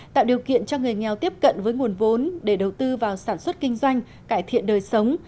tạo điều kiện cho người nghèo tiếp cận với nguồn vốn để đầu tư vào sản xuất kinh doanh cải thiện đời sống